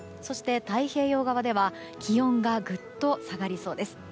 そして、太平洋側では気温がぐっと下がりそうです。